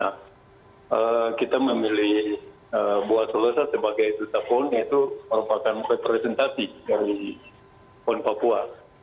nah kita memilih buah solosa sebagai duta pon itu merupakan representasi dari pon papua